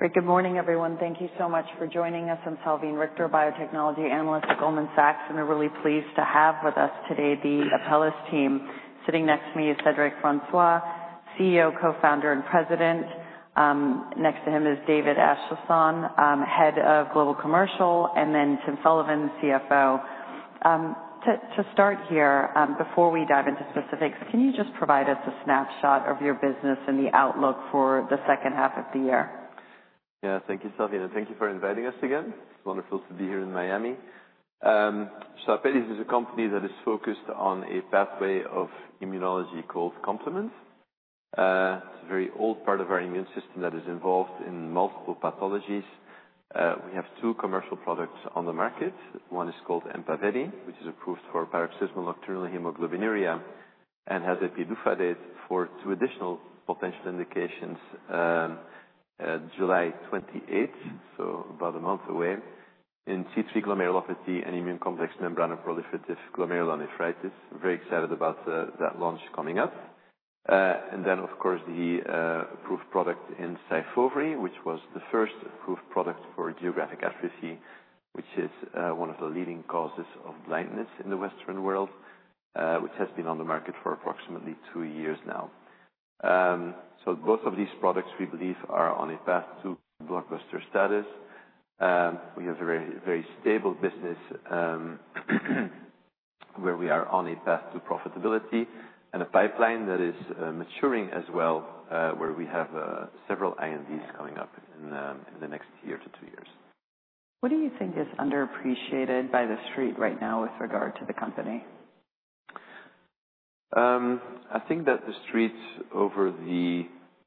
Good morning, everyone. Thank you so much for joining us. I'm Salveen Richter, biotechnology analyst at Goldman Sachs, and we're really pleased to have with us today the Apellis team. Sitting next to me is Cedric Francois, CEO, co-founder, and president. Next to him is David Acheson, Head of Global Commercial, and then Tim Sullivan, CFO. To start here, before we dive into specifics, can you just provide us a snapshot of your business and the outlook for the second half of the year? Yeah, thank you, Salveen. And thank you for inviting us again. It's wonderful to be here in Miami. So Apellis is a company that is focused on a pathway of immunology called complement. It's a very old part of our immune system that is involved in multiple pathologies. We have two commercial products on the market. One is called Empaveli, which is approved for paroxysmal nocturnal hemoglobinuria and has a PDUFA date for two additional potential indications July 28th, so about a month away, in C3 glomerulopathy and immune complex membranoproliferative glomerulonephritis. Very excited about that launch coming up. And then, of course, the approved product in Syfovre, which was the first approved product for geographic atrophy, which is one of the leading causes of blindness in the Western world, which has been on the market for approximately two years now. Both of these products, we believe, are on a path to blockbuster status. We have a very stable business where we are on a path to profitability and a pipeline that is maturing as well, where we have several INDs coming up in the next year to two years. What do you think is underappreciated by the street right now with regard to the company? I think that the street over the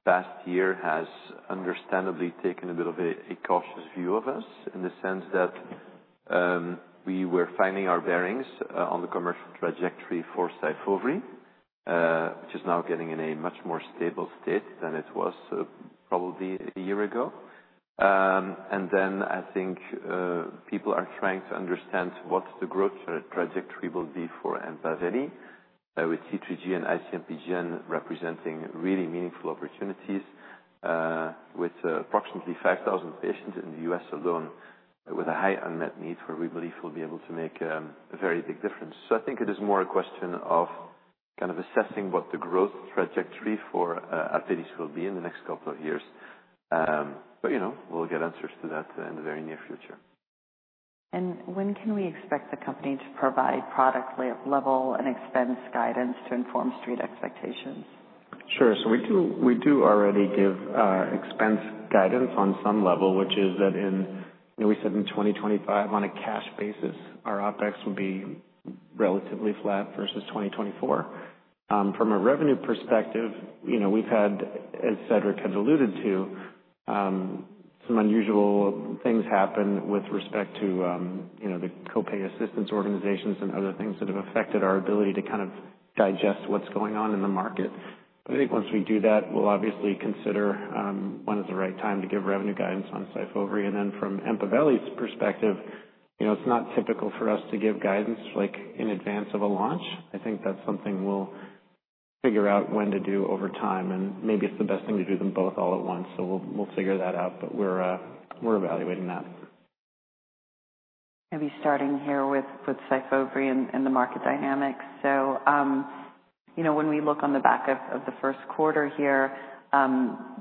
past year has understandably taken a bit of a cautious view of us in the sense that we were finding our bearings on the commercial trajectory for Syfovre, which is now getting in a much more stable state than it was probably a year ago. I think people are trying to understand what the growth trajectory will be for Empaveli, with C3G and ICMPGN representing really meaningful opportunities with approximately 5,000 patients in the U.S. alone, with a high unmet need where we believe we'll be able to make a very big difference. I think it is more a question of kind of assessing what the growth trajectory for Apellis will be in the next couple of years. We'll get answers to that in the very near future. When can we expect the company to provide product level and expense guidance to inform street expectations? Sure. So we do already give expense guidance on some level, which is that in, we said in 2025, on a cash basis, our OPEX will be relatively flat versus 2024. From a revenue perspective, we've had, as Cedric had alluded to, some unusual things happen with respect to the copay assistance organizations and other things that have affected our ability to kind of digest what's going on in the market. I think once we do that, we'll obviously consider when is the right time to give revenue guidance on Syfovre. From Empaveli's perspective, it's not typical for us to give guidance in advance of a launch. I think that's something we'll figure out when to do over time. Maybe it's the best thing to do them both all at once. We'll figure that out, but we're evaluating that. Maybe starting here with Syfovre and the market dynamics. When we look on the back of the first quarter here,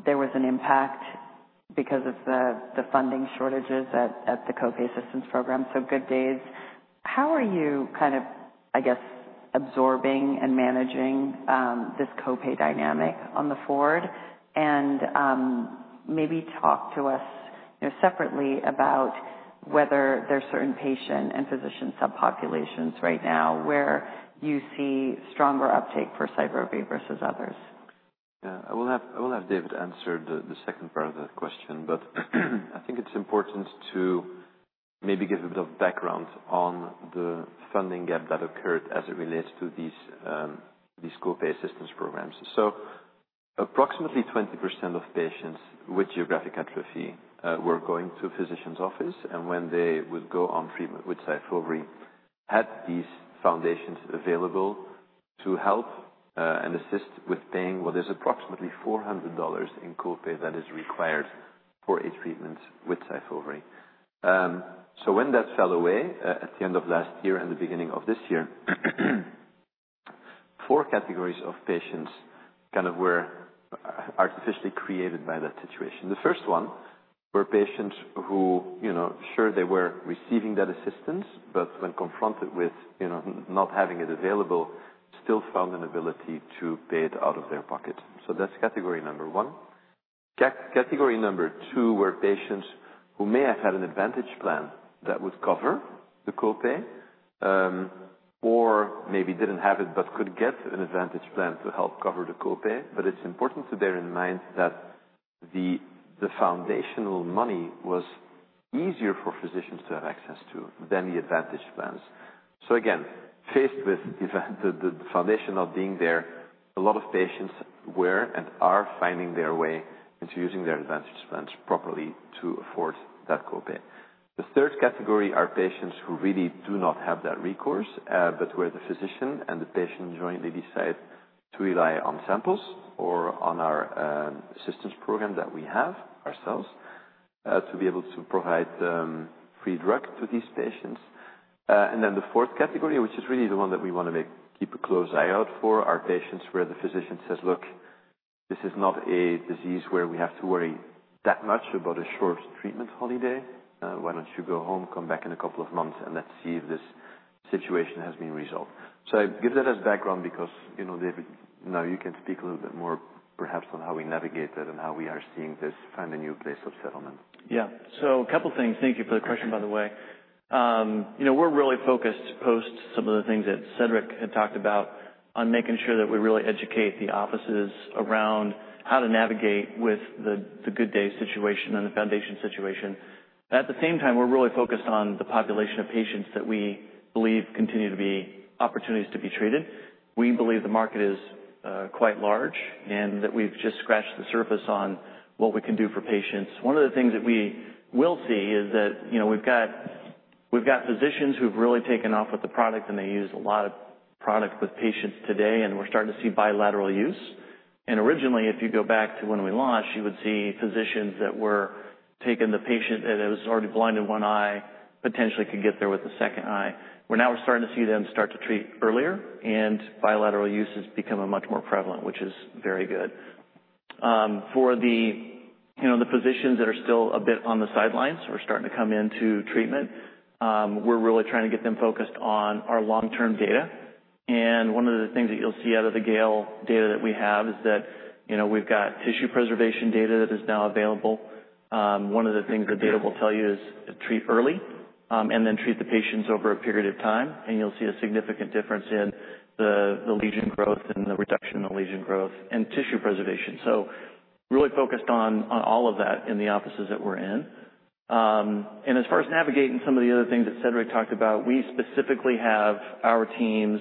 there was an impact because of the funding shortages at the copay assistance program, so Good Days. How are you kind of, I guess, absorbing and managing this copay dynamic on the forward? Maybe talk to us separately about whether there are certain patient and physician subpopulations right now where you see stronger uptake for Syfovre versus others. Yeah. I will have David answer the second part of the question, but I think it's important to maybe give a bit of background on the funding gap that occurred as it relates to these copay assistance programs. Approximately 20% of patients with geographic atrophy were going to a physician's office. When they would go on treatment with Syfovre, had these foundations available to help and assist with paying what is approximately $400 in copay that is required for a treatment with Syfovre. When that fell away at the end of last year and the beginning of this year, four categories of patients kind of were artificially created by that situation. The first one were patients who, sure, they were receiving that assistance, but when confronted with not having it available, still found an ability to pay it out of their pocket. That's category number one. Category number two were patients who may have had an Advantage plan that would cover the copay or maybe did not have it but could get an Advantage plan to help cover the copay. It is important to bear in mind that the foundational money was easier for physicians to have access to than the Advantage plans. Again, faced with the foundation not being there, a lot of patients were and are finding their way into using their Advantage plans properly to afford that copay. The third category are patients who really do not have that recourse, where the physician and the patient jointly decide to rely on samples or on our assistance program that we have ourselves to be able to provide free drug to these patients. The fourth category, which is really the one that we want to keep a close eye out for, are patients where the physician says, "Look, this is not a disease where we have to worry that much about a short treatment holiday. Why don't you go home, come back in a couple of months, and let's see if this situation has been resolved?" I give that as background because David, now you can speak a little bit more perhaps on how we navigate that and how we are seeing this find a new place of settlement. Yeah. So a couple of things. Thank you for the question, by the way. We're really focused post some of the things that Cedric had talked about on making sure that we really educate the offices around how to navigate with the Good Days situation and the foundation situation. At the same time, we're really focused on the population of patients that we believe continue to be opportunities to be treated. We believe the market is quite large and that we've just scratched the surface on what we can do for patients. One of the things that we will see is that we've got physicians who've really taken off with the product, and they use a lot of product with patients today, and we're starting to see bilateral use. Originally, if you go back to when we launched, you would see physicians that were taking the patient that was already blind in one eye potentially could get there with the second eye. Now we're starting to see them start to treat earlier, and bilateral use has become much more prevalent, which is very good. For the physicians that are still a bit on the sidelines or starting to come into treatment, we're really trying to get them focused on our long-term data. One of the things that you'll see out of the GALE data that we have is that we've got tissue preservation data that is now available. One of the things the data will tell you is treat early and then treat the patients over a period of time, and you'll see a significant difference in the lesion growth and the reduction in the lesion growth and tissue preservation. Really focused on all of that in the offices that we're in. As far as navigating some of the other things that Cedric talked about, we specifically have our teams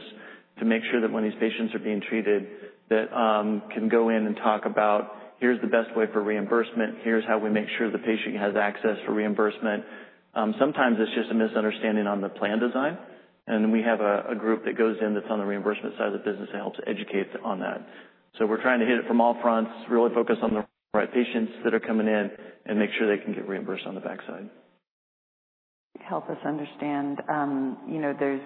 to make sure that when these patients are being treated, that can go in and talk about, "Here's the best way for reimbursement. Here's how we make sure the patient has access for reimbursement." Sometimes it's just a misunderstanding on the plan design. We have a group that goes in that's on the reimbursement side of the business that helps educate on that. We're trying to hit it from all fronts, really focus on the right patients that are coming in and make sure they can get reimbursed on the backside. Help us understand. There is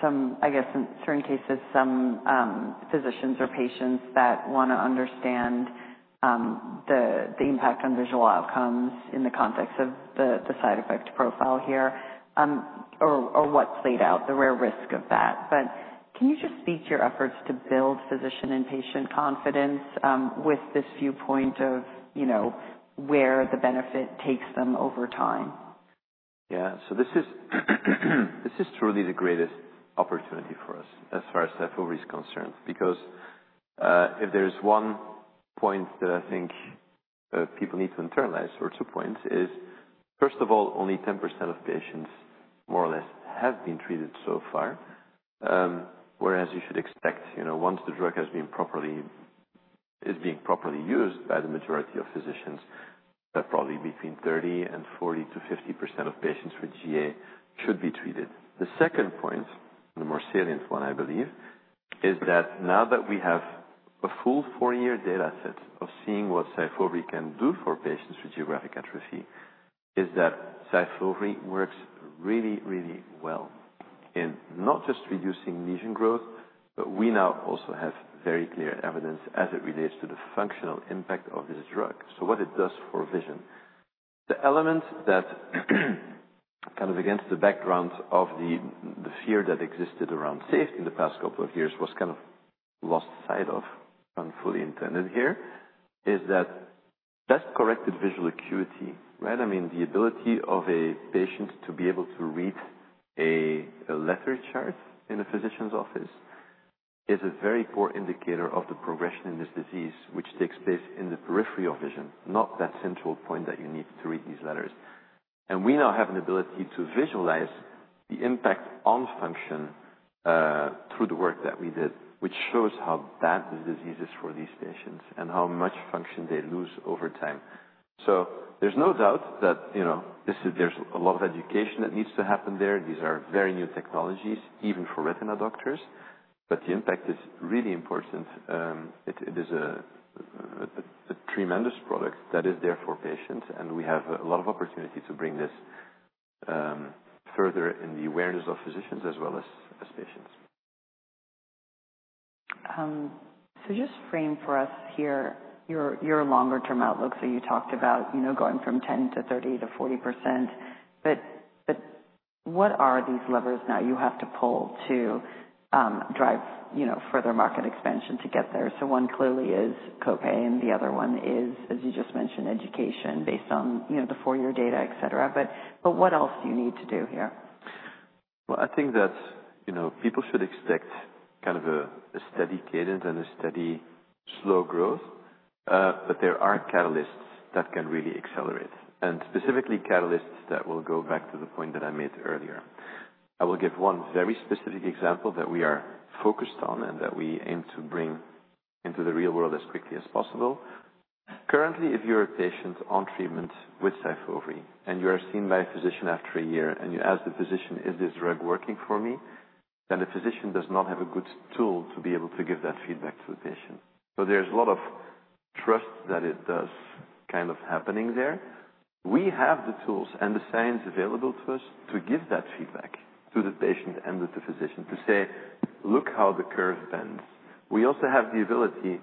some, I guess, in certain cases, some physicians or patients that want to understand the impact on visual outcomes in the context of the side effect profile here or what is laid out, the rare risk of that. Can you just speak to your efforts to build physician and patient confidence with this viewpoint of where the benefit takes them over time? Yeah. This is truly the greatest opportunity for us as far as Syfovre is concerned because if there is one point that I think people need to internalize, or two points, first of all, only 10% of patients more or less have been treated so far, whereas you should expect once the drug has been properly used by the majority of physicians, probably between 30%-40%-50% of patients with GA should be treated. The second point, the more salient one, I believe, is that now that we have a full four-year data set of seeing what Syfovre can do for patients with geographic atrophy, is that Syfovre works really, really well in not just reducing lesion growth, but we now also have very clear evidence as it relates to the functional impact of this drug. What it does for vision. The element that kind of against the background of the fear that existed around safety in the past couple of years was kind of lost sight of, pun fully intended here, is that best corrected visual acuity, right? I mean, the ability of a patient to be able to read a letter chart in a physician's office is a very poor indicator of the progression in this disease, which takes place in the periphery of vision, not that central point that you need to read these letters. We now have an ability to visualize the impact on function through the work that we did, which shows how bad the disease is for these patients and how much function they lose over time. There is no doubt that there is a lot of education that needs to happen there. These are very new technologies, even for retina doctors, but the impact is really important. It is a tremendous product that is there for patients, and we have a lot of opportunity to bring this further in the awareness of physicians as well as patients. Just frame for us here your longer-term outlook. You talked about going from 10%-30%-40%, but what are these levers now you have to pull to drive further market expansion to get there? One clearly is copay. The other one is, as you just mentioned, education based on the four-year data, etc. What else do you need to do here? I think that people should expect kind of a steady cadence and a steady slow growth, but there are catalysts that can really accelerate, and specifically catalysts that will go back to the point that I made earlier. I will give one very specific example that we are focused on and that we aim to bring into the real world as quickly as possible. Currently, if you're a patient on treatment with Syfovre and you are seen by a physician after a year and you ask the physician, "Is this drug working for me?" then the physician does not have a good tool to be able to give that feedback to the patient. There is a lot of trust that it does kind of happening there. We have the tools and the science available to us to give that feedback to the patient and to the physician to say, "Look how the curve bends." We also have the ability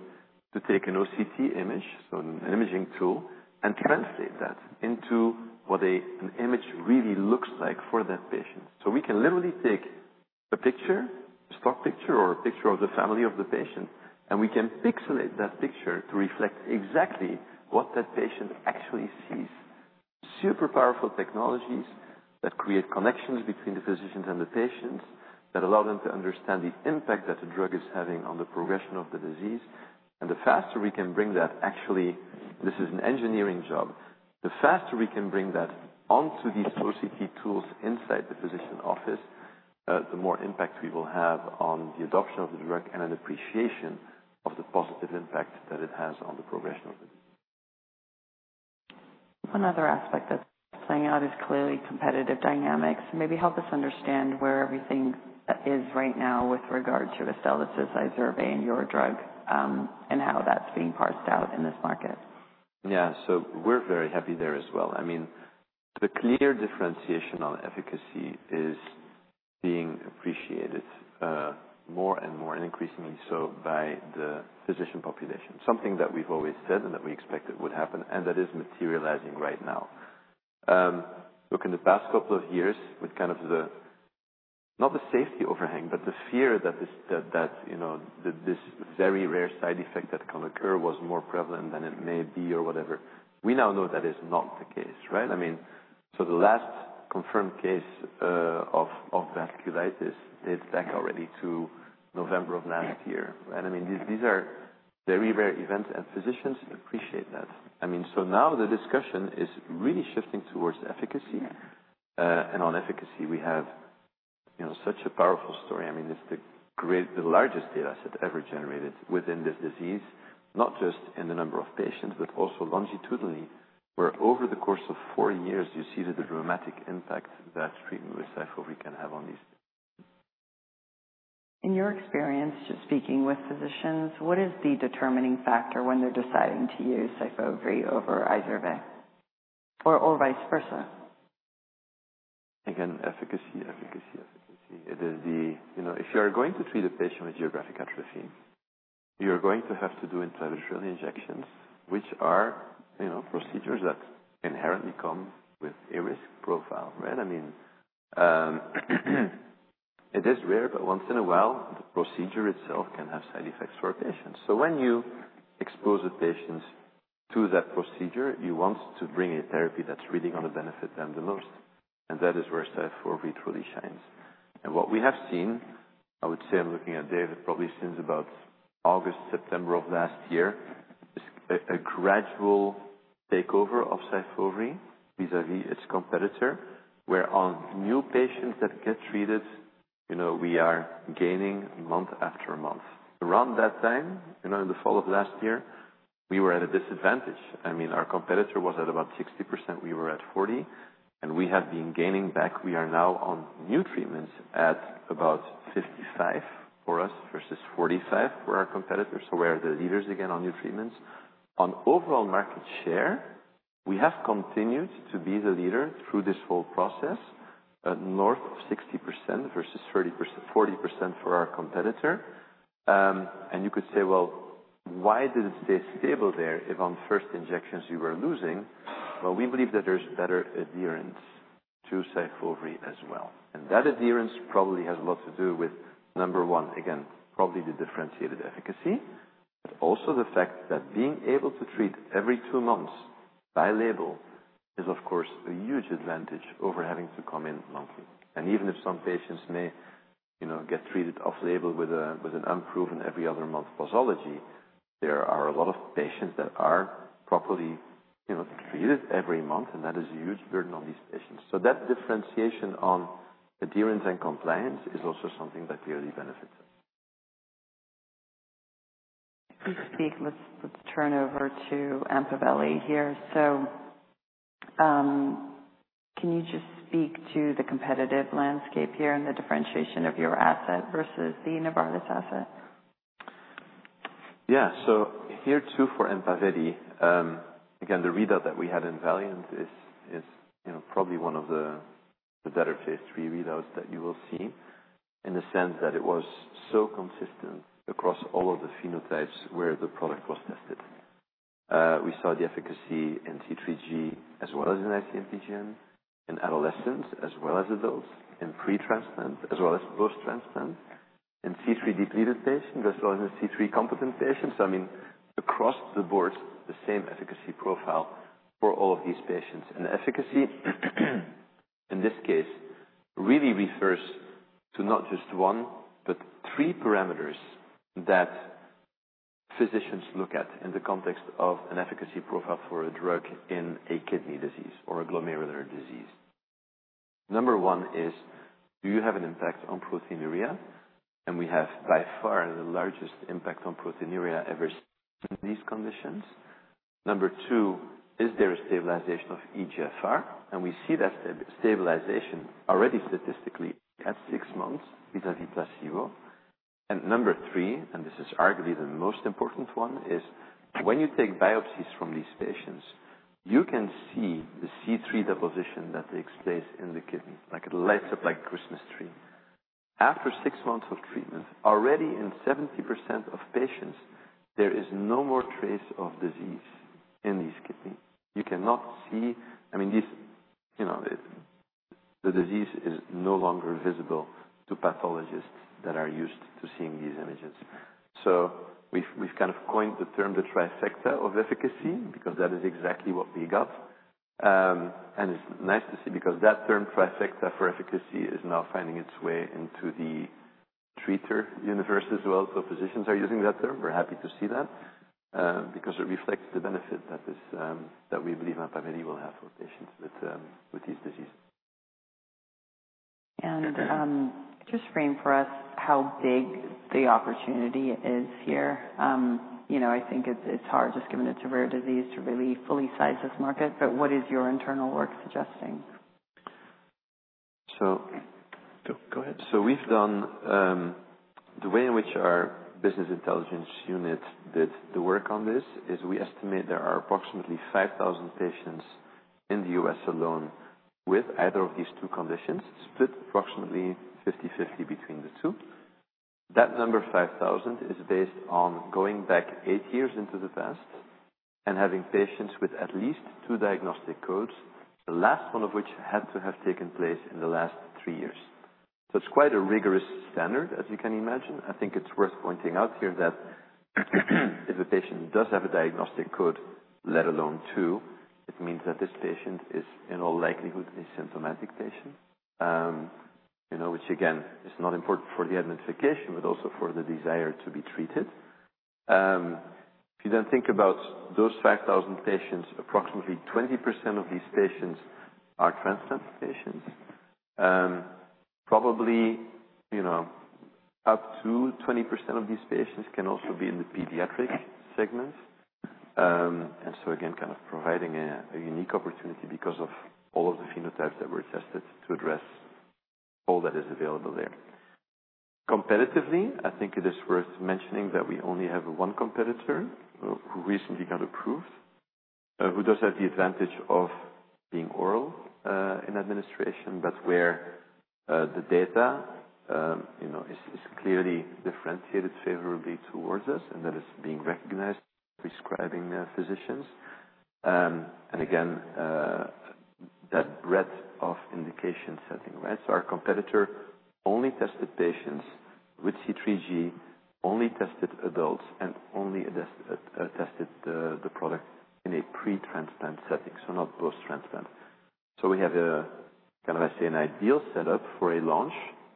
to take an OCT image, so an imaging tool, and translate that into what an image really looks like for that patient. We can literally take a picture, a stock picture or a picture of the family of the patient, and we can pixelate that picture to reflect exactly what that patient actually sees. Super powerful technologies that create connections between the physicians and the patients that allow them to understand the impact that the drug is having on the progression of the disease. The faster we can bring that, actually, this is an engineering job. The faster we can bring that onto these OCT tools inside the physician office, the more impact we will have on the adoption of the drug and an appreciation of the positive impact that it has on the progression of the disease. One other aspect that's playing out is clearly competitive dynamics. Maybe help us understand where everything is right now with regard to Astellas' Izervay and your drug and how that's being parsed out in this market. Yeah. So we're very happy there as well. I mean, the clear differentiation on efficacy is being appreciated more and more and increasingly so by the physician population, something that we've always said and that we expected would happen, and that is materializing right now. Look, in the past couple of years with kind of the, not the safety overhang, but the fear that this very rare side effect that can occur was more prevalent than it may be or whatever. We now know that is not the case, right? I mean, so the last confirmed case of vasculitis dates back already to November of last year, right? I mean, these are very rare events, and physicians appreciate that. I mean, so now the discussion is really shifting towards efficacy. And on efficacy, we have such a powerful story. I mean, it's the largest data set ever generated within this disease, not just in the number of patients, but also longitudinally, where over the course of four years, you see the dramatic impact that treatment with Syfovre can have on these. In your experience, just speaking with physicians, what is the determining factor when they're deciding to use Syfovre over Izervay or vice versa? Again, efficacy, efficacy, efficacy. It is the if you are going to treat a patient with geographic atrophy, you're going to have to do intravitreal injections, which are procedures that inherently come with a risk profile, right? I mean, it is rare, but once in a while, the procedure itself can have side effects for patients. When you expose a patient to that procedure, you want to bring a therapy that's really going to benefit them the most. That is where Syfovre truly shines. What we have seen, I would say I'm looking at data probably since about August, September of last year, is a gradual takeover of Syfovre vis-à-vis its competitor, where on new patients that get treated, we are gaining month after month. Around that time, in the fall of last year, we were at a disadvantage. I mean, our competitor was at about 60%. We were at 40%, and we have been gaining back. We are now on new treatments at about 55% for us versus 45% for our competitor. We are the leaders again on new treatments. On overall market share, we have continued to be the leader through this whole process, north of 60% versus 40% for our competitor. You could say, "Why did it stay stable there if on first injections you were losing?" We believe that there is better adherence to Syfovre as well. That adherence probably has a lot to do with, number one, again, probably the differentiated efficacy, but also the fact that being able to treat every two months by label is, of course, a huge advantage over having to come in monthly. Even if some patients may get treated off-label with an unproven every other month pathology, there are a lot of patients that are properly treated every month, and that is a huge burden on these patients. That differentiation on adherence and compliance is also something that clearly benefits us. Please speak. Let's turn over to Empaveli here. Can you just speak to the competitive landscape here and the differentiation of your asset versus the Novartis asset? Yeah. So here too for Empaveli, again, the readout that we had in Valiant is probably one of the better phase III readouts that you will see in the sense that it was so consistent across all of the phenotypes where the product was tested. We saw the efficacy in C3G as well as in ICMPGN in adolescents as well as adults in pretransplant as well as post-transplant in C3 depleted patients as well as in C3 competent patients. I mean, across the board, the same efficacy profile for all of these patients. And efficacy in this case really refers to not just one, but three parameters that physicians look at in the context of an efficacy profile for a drug in a kidney disease or a glomerular disease. Number one is, do you have an impact on proteinuria? We have by far the largest impact on proteinuria ever seen in these conditions. Number two, is there a stabilization of eGFR? We see that stabilization already statistically at six months vis-à-vis placebo. Number three, and this is arguably the most important one, is when you take biopsies from these patients, you can see the C3 deposition that takes place in the kidney. It lights up like a Christmas tree. After six months of treatment, already in 70% of patients, there is no more trace of disease in these kidneys. You cannot see, I mean, the disease is no longer visible to pathologists that are used to seeing these images. We have kind of coined the term the trifecta of efficacy because that is exactly what we got. It's nice to see because that term trifecta for efficacy is now finding its way into the treater universe as well. Physicians are using that term. We're happy to see that because it reflects the benefit that we believe Empaveli will have for patients with these diseases. Just frame for us how big the opportunity is here. I think it's hard just given it's a rare disease to really fully size this market, but what is your internal work suggesting? Go ahead. We've done the way in which our business intelligence unit did the work on this. We estimate there are approximately 5,000 patients in the U.S. alone with either of these two conditions, split approximately 50/50 between the two. That number, 5,000, is based on going back eight years into the past and having patients with at least two diagnostic codes, the last one of which had to have taken place in the last three years. It's quite a rigorous standard, as you can imagine. I think it's worth pointing out here that if a patient does have a diagnostic code, let alone two, it means that this patient is in all likelihood a symptomatic patient, which again, is not important for the identification, but also for the desire to be treated. If you then think about those 5,000 patients, approximately 20% of these patients are transplant patients. Probably up to 20% of these patients can also be in the pediatric segment. Again, kind of providing a unique opportunity because of all of the phenotypes that were tested to address all that is available there. Competitively, I think it is worth mentioning that we only have one competitor who recently got approved, who does have the advantage of being oral in administration, where the data is clearly differentiated favorably towards us and that is being recognized by prescribing physicians. Again, that breadth of indication setting, right? Our competitor only tested patients with C3G, only tested adults, and only tested the product in a pretransplant setting, not post-transplant. We have a, kind of, I say, an ideal setup for a launch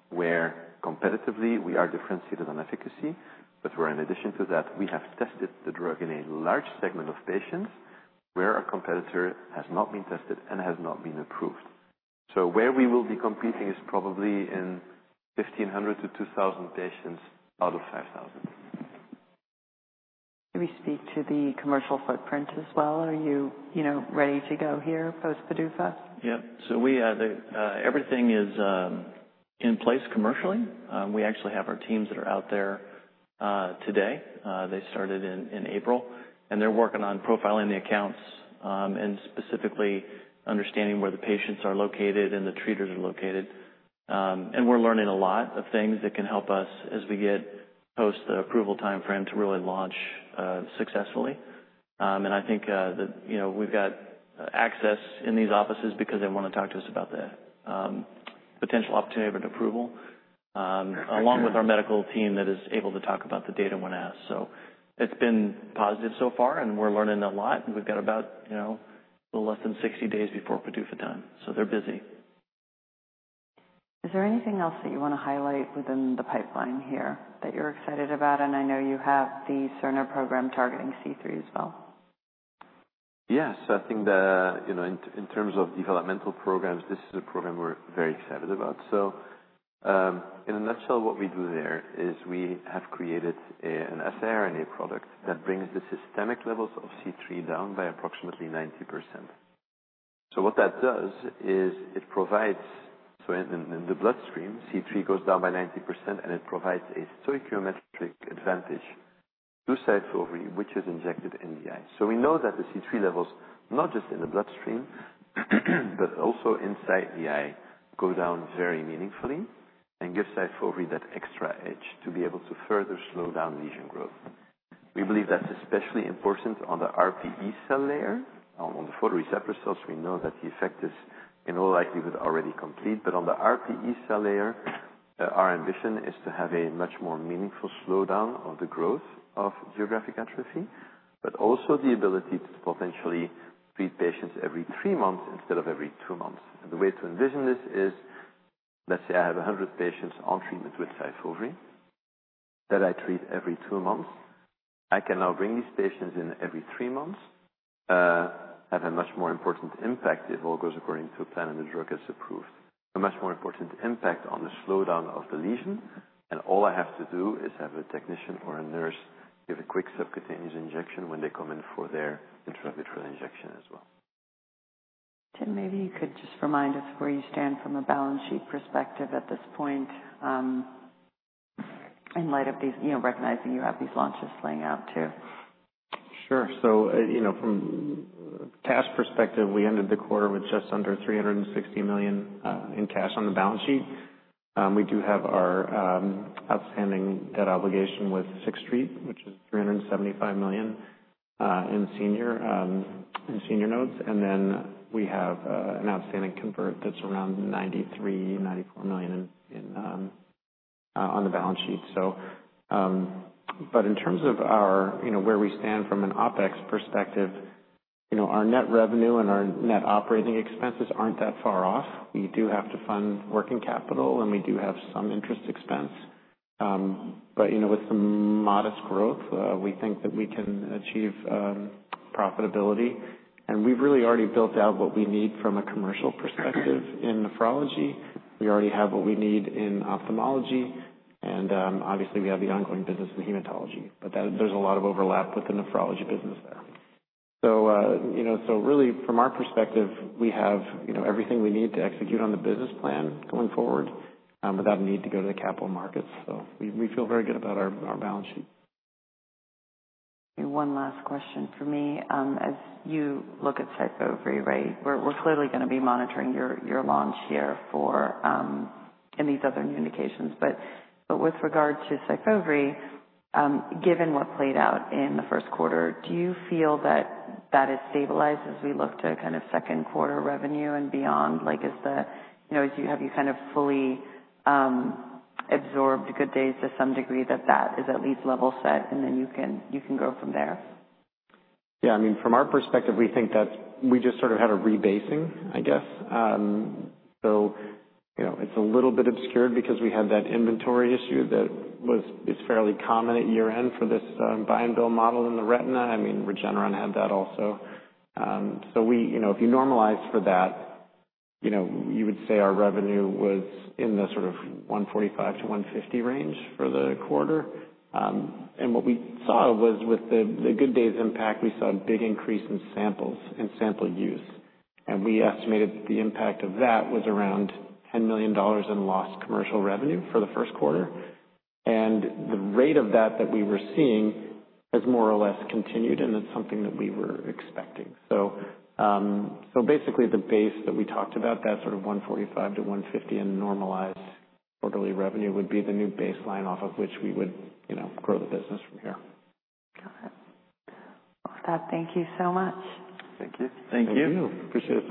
where competitively we are differentiated on efficacy, but where in addition to that, we have tested the drug in a large segment of patients where our competitor has not been tested and has not been approved. Where we will be competing is probably in 1,500-2,000 patients out of 5,000. Can we speak to the commercial footprint as well? Are you ready to go here post-PDUFA? Yeah. Everything is in place commercially. We actually have our teams that are out there today. They started in April, and they're working on profiling the accounts and specifically understanding where the patients are located and the treaters are located. We're learning a lot of things that can help us as we get post the approval timeframe to really launch successfully. I think that we've got access in these offices because they want to talk to us about the potential opportunity of an approval along with our medical team that is able to talk about the data when asked. It's been positive so far, and we're learning a lot. We've got about a little less than 60 days before PDUFA time, so they're busy. Is there anything else that you want to highlight within the pipeline here that you're excited about? I know you have the SiRNAprogram targeting C3 as well. Yes. I think that in terms of developmental programs, this is a program we're very excited about. In a nutshell, what we do there is we have created a SiRNA product that brings the systemic levels of C3 down by approximately 90%. What that does is it provides, in the bloodstream, C3 goes down by 90%, and it provides a stoichiometric advantage to Syfovre, which is injected in the eye. We know that the C3 levels, not just in the bloodstream, but also inside the eye, go down very meaningfully and give Syfovre that extra edge to be able to further slow down lesion growth. We believe that's especially important on the RPE cell layer. On the photoreceptor cells, we know that the effect is in all likelihood already complete. On the RPE cell layer, our ambition is to have a much more meaningful slowdown of the growth of geographic atrophy, but also the ability to potentially treat patients every three months instead of every two months. The way to envision this is, let's say I have 100 patients on treatment with Syfovre that I treat every two months. I can now bring these patients in every three months, have a much more important impact if all goes according to plan and the drug is approved, a much more important impact on the slowdown of the lesion. All I have to do is have a technician or a nurse give a quick subcutaneous injection when they come in for their intravitreal injection as well. Tim, maybe you could just remind us where you stand from a balance sheet perspective at this point in light of recognizing you have these launches laying out too. Sure. From a cash perspective, we ended the quarter with just under $360 million in cash on the balance sheet. We do have our outstanding debt obligation with Sixth Street, which is $375 million in senior notes. We have an outstanding convert that is around $93 million-$94 million on the balance sheet. In terms of where we stand from an OPEX perspective, our net revenue and our net operating expenses are not that far off. We do have to fund working capital, and we do have some interest expense. With some modest growth, we think that we can achieve profitability. We have really already built out what we need from a commercial perspective in nephrology. We already have what we need in ophthalmology. Obviously, we have the ongoing business in hematology, but there is a lot of overlap with the nephrology business there. Really, from our perspective, we have everything we need to execute on the business plan going forward without a need to go to the capital markets. We feel very good about our balance sheet. One last question for me. As you look at Syfovre, right, we're clearly going to be monitoring your launch here in these other communications. But with regard to Syfovre, given what played out in the first quarter, do you feel that that has stabilized as we look to kind of second quarter revenue and beyond? Is the have you kind of fully absorbed Good Days to some degree that that is at least level set, and then you can go from there? Yeah. I mean, from our perspective, we think that we just sort of had a rebasing, I guess. It is a little bit obscured because we had that inventory issue that was fairly common at year-end for this buy-and-bill model in the retina. I mean, Regeneron had that also. If you normalize for that, you would say our revenue was in the sort of $145 million-$150 million range for the quarter. What we saw was with the Good Days impact, we saw a big increase in samples and sample use. We estimated the impact of that was around $10 million in lost commercial revenue for the first quarter. The rate of that that we were seeing has more or less continued, and it is something that we were expecting. Basically, the base that we talked about, that sort of $145 million-$150 million in normalized quarterly revenue would be the new baseline off of which we would grow the business from here. Got it. With that, thank you so much. Thank you. Thank you. Thank you. Appreciate it.